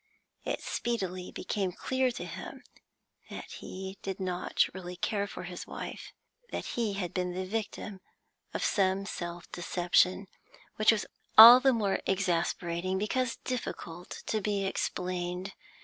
It speedily became clear to him that he did not really care for his wife, that he had been the victim of some self deception, which was all the more exasperating because difficult to be explained.